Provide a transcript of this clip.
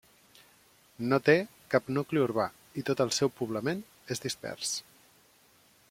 No té cap nucli urbà i tot el seu poblament és dispers.